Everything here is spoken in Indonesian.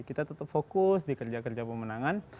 kita tetap fokus di kerja kerja pemenangan